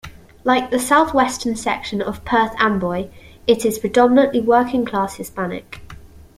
Like the southwestern section of Perth Amboy, it is predominantly working-class Hispanic.